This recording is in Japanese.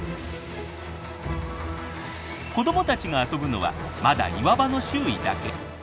子どもたちが遊ぶのはまだ岩場の周囲だけ。